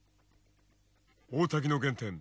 大瀧の原点